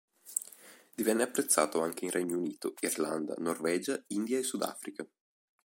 Divenne apprezzato anche in Regno Unito, Irlanda, Norvegia, India e Sudafrica.